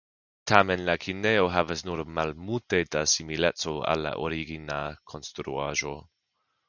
Tamen la kinejo havas nur malmulte da simileco al la origina konstruaĵo.